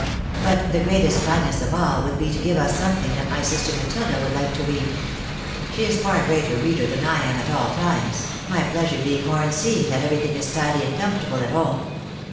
But the greatest kind ness of all would be to give us sometliing that my sister Matilda would like to read. She is a far greater reader than I am at all times, my pleasure being more in seeing that everything is tidy and comfortable at home.